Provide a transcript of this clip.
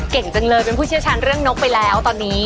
จังเลยเป็นผู้เชี่ยวชาญเรื่องนกไปแล้วตอนนี้